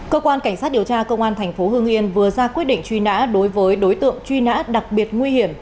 cơ quan cảnh sát điều tra công an tp hương yên vừa ra quyết định truy nã đối với đối tượng truy nã đặc biệt nguy hiểm